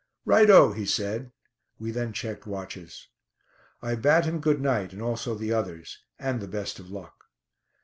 "Right o!" he said. We then checked watches. I bade him good night, and also the others, and the best of luck.